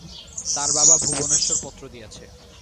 তার বাবা ভুবনেশ্বর পত্র দিয়াছে।